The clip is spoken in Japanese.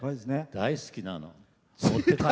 大好きなの。